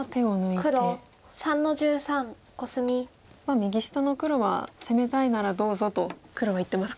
右下の黒は攻めたいならどうぞと黒は言ってますか。